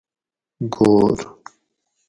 گور